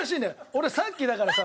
俺さっきだからさ